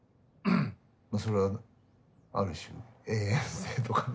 それはある種永遠性とかね